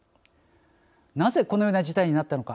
なぜこのような事態になったのか。